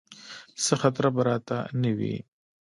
څه خطره به راته نه وي.